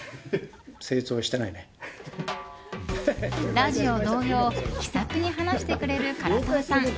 ラジオ同様気さくに話してくれる唐沢さん。